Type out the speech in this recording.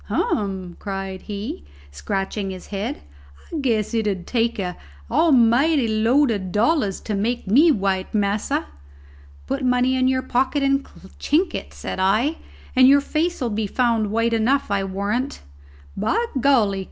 "Hum!" cried he, scratching his head. "I guess it 'ud take an almighty load of dollars to make me white, massa." "Put money in your pocket and chink it," said I, "and your face'll be found white enough, I warrant." "By golly!"